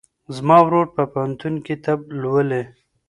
زما ورور په پوهنتون کې طب لولي.